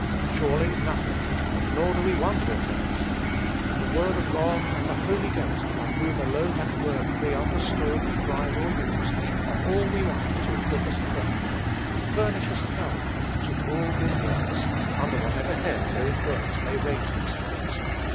Surely, nothing; nor do we want aught else. The word of God, and the Holy Ghost, by whom alone that word can be understood, applied, or used, are all we want to equip us perfectly to furnish us thoroughly "to all good works," under whatever head those works may range themselves.